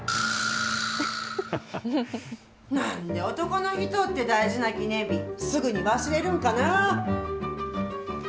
なんで男の人って、大事な記念日、すぐに忘れるんかな。